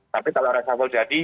tapi kalau resabel jadi